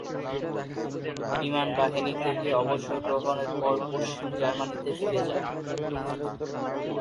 বিমান বাহিনী থেকে অবসর গ্রহণের পর পশ্চিম জার্মানিতে ফিরে যান।